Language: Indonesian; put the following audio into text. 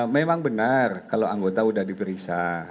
memang benar kalau anggota sudah diperiksa